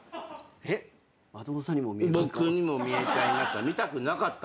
僕にも見えちゃいました。